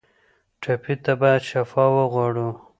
ټپي ته باید شفا وغواړو.